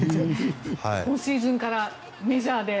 今シーズンからメジャーで。